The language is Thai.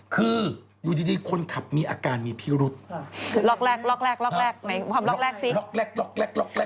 คืออยู่ดีคนขับมีอาการมีพิรุษล็อกแรกล็อกแรกล็อกแรกล็อกแรกล็อกแรกล็อกแรก